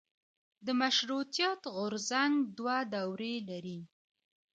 د مشروطیت غورځنګ دوه دورې لري.